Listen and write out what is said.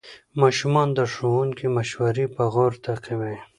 ماشومان د ښوونکي مشورې په غور تعقیبوي